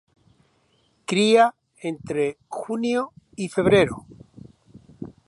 Cría entre junio y febrero.